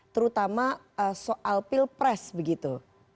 terutama soal pilpres begitu